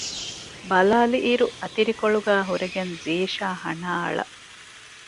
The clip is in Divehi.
ބަލާލިއިރު އަތިރިކޮޅުގައި ހުރެގެން ޒީޝާ ހަނާ އަޅަ